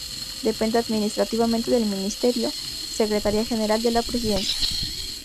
Depende Administrativamente del Ministerio Secretaría General de la Presidencia.